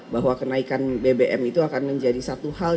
bahwa kenaikan bbm itu akan menjadi satu hal